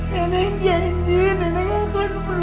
nenek janji nenek akan berubah